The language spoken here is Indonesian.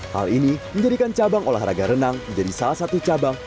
hal ini menjadikan cabang olahraga renang menjadi salah satu cabang